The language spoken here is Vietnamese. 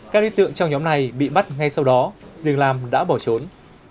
các đối tượng trong nhóm này bị bắt ngay sau đó riêng lam đã bỏ trốn